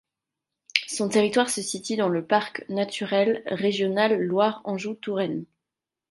Son territoire se situe dans le parc naturel régional Loire-Anjou-Touraine.